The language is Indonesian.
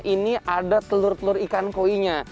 ini ada telur telur ikan koinya